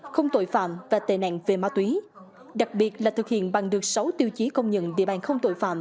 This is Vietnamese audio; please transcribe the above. không tội phạm và tệ nạn về ma túy đặc biệt là thực hiện bằng được sáu tiêu chí công nhận địa bàn không tội phạm